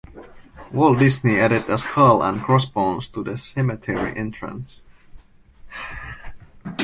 Walt Disney added a skull and crossbones to the cemetery entrance.